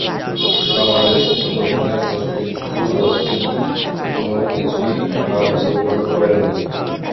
বাংলাদেশ অধিনায়ক মুশফিকুর রহিম কোনো কিছুই ঢাল হিসেবে ব্যবহার করেন নি।